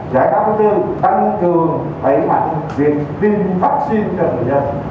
giải pháp thứ tư tăng cường bệnh mạnh việc tin vaccine cho người dân